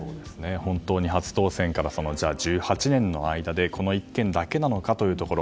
本当に初当選から１８年の間でこの１件だけなのかというところ。